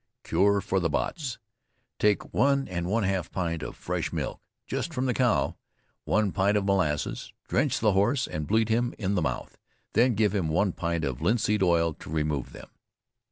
CURE FOR THE BOTS. Take 1 1/2 pint of fresh milk, (just from the cow,) 1 pint of molasses. Drench the horse and bleed him in the mouth; then give him 1 pint of linseed oil to remove them.